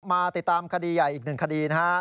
มาติดตามคดีใหญ่อีกหนึ่งคดีนะครับ